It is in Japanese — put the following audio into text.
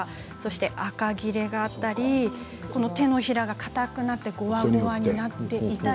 あかぎれがあったり手のひらがかたくなってごわごわになっていたり。